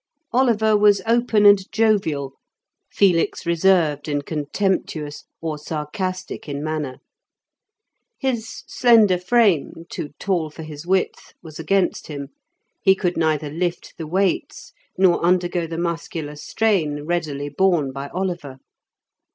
Oliver was open and jovial; Felix reserved and contemptuous, or sarcastic in manner. His slender frame, too tall for his width, was against him; he could neither lift the weights nor undergo the muscular strain readily borne by Oliver.